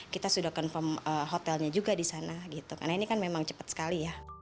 kita sudah confirm hotelnya juga di sana gitu karena ini kan memang cepat sekali ya